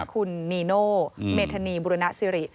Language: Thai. คุณนีโน่เมธานีบุรณสิริ